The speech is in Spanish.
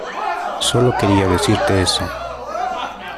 Sólo quería decirte eso.